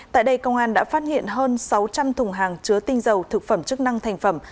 tại đây công an đã phát hiện hơn sáu trăm linh thùng hàng chứa tinh dầu thực phẩm chức năng thành phẩm